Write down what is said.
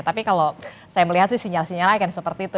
tapi kalau saya melihat sih sinyal sinyalnya kan seperti itu